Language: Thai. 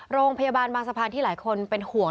โรงพยาบาลบางสะพานที่หลายคนเป็นห่วง